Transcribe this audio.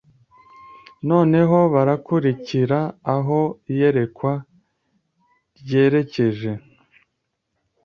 Noneho barakurikira aho iyerekwa ryerekeje